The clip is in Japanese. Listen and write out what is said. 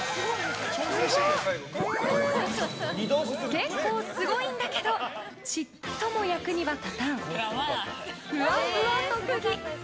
結構すごいんだけどちっとも役には立たんふわふわ特技。